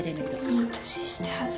いい年して恥ず。